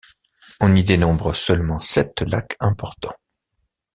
On y dénombre seulement sept lacs importants.